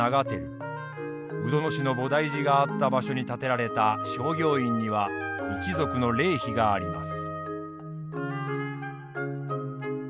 鵜殿氏の菩提寺があった場所に建てられた正行院には一族の霊碑があります。